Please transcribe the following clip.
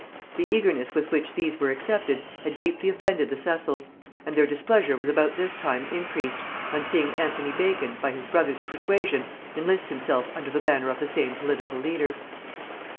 The eagerness with which these were accepted had deeply offended the Cecils; and their displeasure was about this time increased, on seeing Anthony Bacon, by his brother's persuasion, enlist himself under the banner of the same political leader.